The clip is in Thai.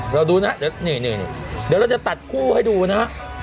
เราดูนะเดี๋ยวเราจะตัดคู่ให้ดูนะ